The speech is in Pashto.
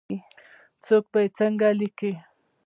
څوک به یې څنګه لیکې ؟